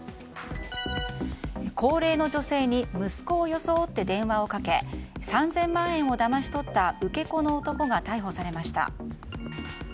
高齢の女性に息子を装って電話をかけ３０００万円をだまし取った受け子の男が逮捕されました。